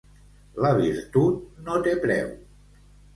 La virtut no té preu.